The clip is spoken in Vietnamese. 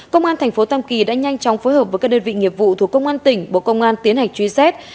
công an thành phố tam kỳ đã nhanh chóng phối hợp với các đơn vị nghiệp vụ thuộc công an tỉnh bộ công an tiến hành truy xét